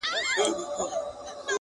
زه قاتل سوم زه د غلو سپه سالار سوم!!